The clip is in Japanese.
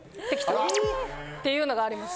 あら！っていうのがあります。